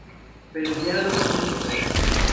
Pero el diálogo no prosperó.